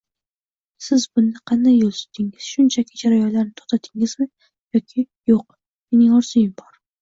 Siz bunda qanday yoʻl tutdingiz? Shunchaki jarayonlarni toʻxtatdingizmi yoki “yoʻq, mening orzuyim bor